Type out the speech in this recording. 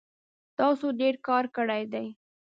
تاسو ډیر کار کړی دی